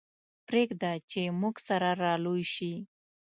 پرېږده چې موږ سره را لوی شي.